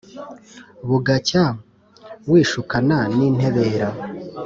Bugacya wishyukana n'intebera.